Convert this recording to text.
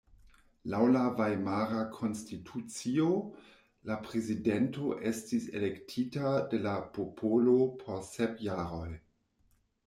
Laŭ la Vajmara Konstitucio la prezidento estis elektita de la popolo por sep jaroj.